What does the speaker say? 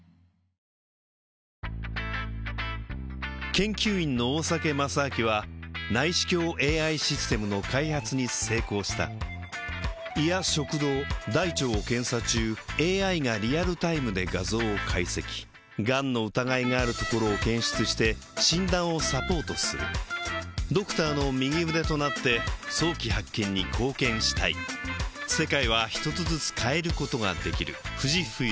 研究員の大酒正明は内視鏡ＡＩシステムの開発に成功した胃や食道大腸を検査中ＡＩがリアルタイムで画像を解析がんの疑いがあるところを検出して診断をサポートするドクターの右腕となって早期発見に貢献したいどうぞ。